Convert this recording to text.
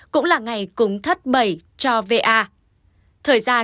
cũng là ngày cúng thất bẩy cho v a